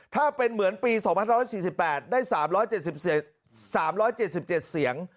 ถ้าเป็นเหมือนปี๒๑๔๘ได้๓๗๗เสียง